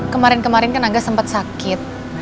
kemarin kemarin kan aga sempet sakit